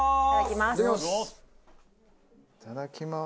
いただきます。